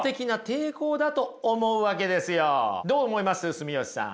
住吉さん。